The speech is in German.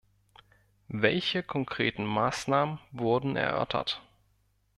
Welche konkreten Maßnahmen wurden erörtert?